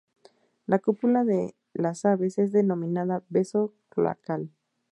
La cópula de las aves es denominada "beso cloacal".